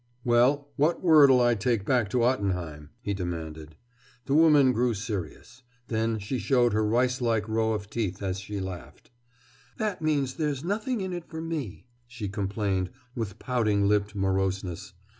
"Well, what word'll I take back to Ottenheim?" he demanded. The woman grew serious. Then she showed her rice like row of teeth as she laughed. "That means there's nothing in it for me," she complained with pouting lipped moroseness.